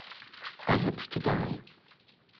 I had to die.